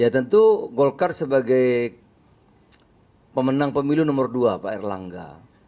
tentu golkar sebagai pemenang pemilu nomor dua pak air langga